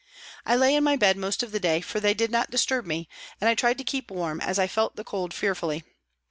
I lay in my bed most of the day, for they did not disturb me, and I tried to keep warm, as I felt the cold fearfully.